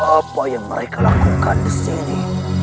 apa yang mereka lakukan disini